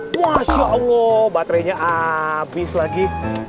masya allah baterenya abis lagi